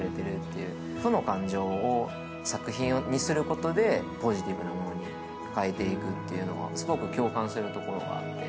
負の感情を作品にすることでポジティブなものに変えていくというのはすごく共感するところがあって。